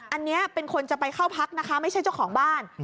อันนี้เป็นคนจะไปเข้าพักนะคะไม่ใช่เจ้าของบ้าน